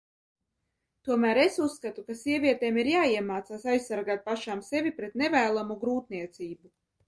Tomēr es uzskatu, ka sievietēm ir jāiemācās aizsargāt pašām sevi pret nevēlamu grūtniecību.